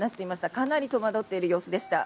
かなり戸惑っている様子でした。